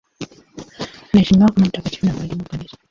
Anaheshimiwa kama mtakatifu na mwalimu wa Kanisa.